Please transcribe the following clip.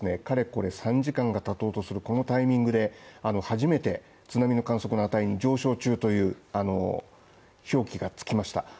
かれこれ３時間が経とうとするこのタイミングで初めて津波の観測値の上昇中という、表記がつきました。